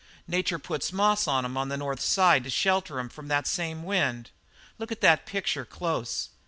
Nature puts moss on 'em on the north side to shelter 'em from that same wind. Look at that picture close.